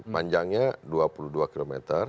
panjangnya dua puluh dua km